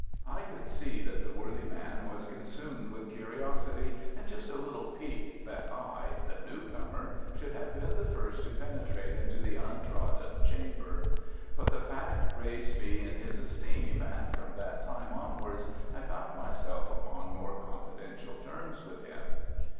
I could see that the worthy man was consumed with curiosity and just a little piqued that I, the new comer, should have been the first to penetrate into the untrodden chamber. But the fact raised me in his esteem, and from that time onwards I found myself upon more confidential terms with him.